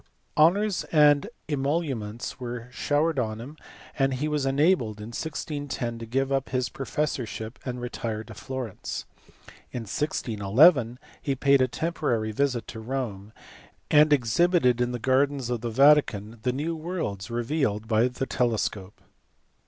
252 THE CLOSE OF THE RENAISSANCE. Honours and emoluments were showered on him, and he was enabled in 1610 to give up his professorship and retire to Florence. In 1611 he paid a temporary visit to Rome, and exhibited in the gardens of the Vatican the new worlds revealed by the telescope.